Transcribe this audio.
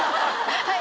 はい。